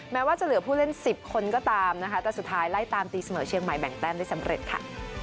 แม้ว่าจะเหลือผู้เล่น๑๐คนก็ตามนะคะแต่สุดท้ายไล่ตามตีเสมอเชียงใหม่แบ่งแต้มได้สำเร็จค่ะ